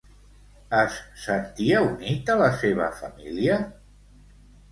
Es sentia unit a la seva família?